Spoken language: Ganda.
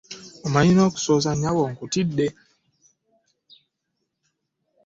Omanyi n'okusooza nnyabo nkutidde.